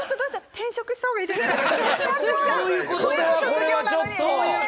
転職した方がいいですか。